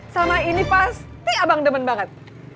sama ini pasti abang demen banget